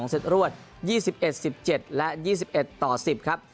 ๒เซ็ตรวด๒๑๑๗และ๒๑๑๐ครับ